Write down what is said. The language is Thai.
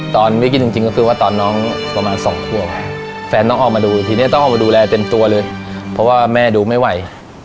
วิกฤตจริงก็คือว่าตอนน้องประมาณ๒ขวบแฟนต้องออกมาดูทีนี้ต้องออกมาดูแลเต็มตัวเลยเพราะว่าแม่ดูไม่ไหว